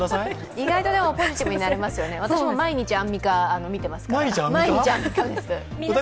意外とポジティブになりますよね、私も毎日アンミカ見てますから。